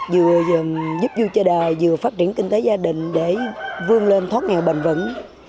vừa giúp vui cho đời vừa phát triển kinh tế gia đình để vương lên thoát nghèo bền vững